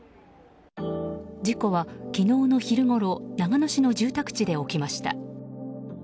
事故は昨日の昼ごろ長野市の住宅地で起きました。